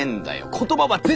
言葉はぜ